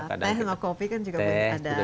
teh dengan kopi kan juga ada